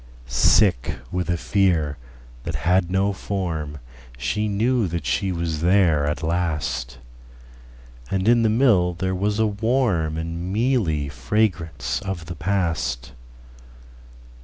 Sick with a fear that had no formShe knew that she was there at last; And in the mill there was a warmAnd mealy fragrance of the past.